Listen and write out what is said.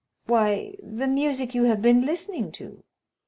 "Why, the music you have been listening to."